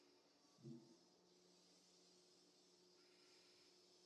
د میرمنو کار او تعلیم مهم دی ځکه چې ښځو رهبري وړتیا لوړوي